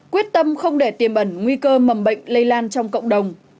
quyết tâm không để tiềm ẩn nguy cơ mầm bệnh lây lan trong cộng đồng